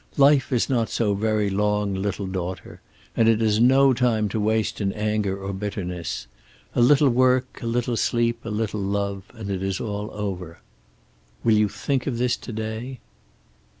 Life is not so very long, little daughter, and it has no time to waste in anger or in bitterness. A little work, a little sleep, a little love, and it is all over. "Will you think of this to day?"